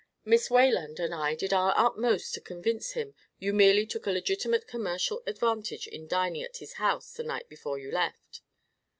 "Miss Wayland and I did our utmost to convince him you merely took a legitimate commercial advantage in dining at his house the night before you left."